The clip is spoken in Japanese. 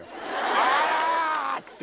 あら！って。